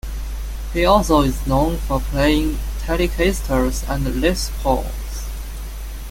He also is known for playing Telecasters and Les Pauls.